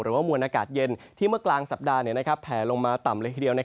ว่ามวลอากาศเย็นที่เมื่อกลางสัปดาห์แผลลงมาต่ำเลยทีเดียว